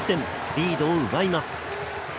リードを奪います。